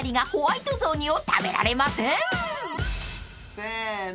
せの。